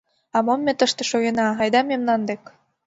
А мом ме тыште шогена, айда мемнан дек!